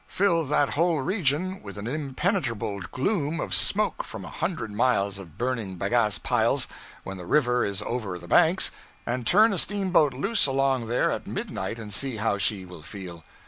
Fill that whole region with an impenetrable gloom of smoke from a hundred miles of burning bagasse piles, when the river is over the banks, and turn a steamboat loose along there at midnight and see how she will feel.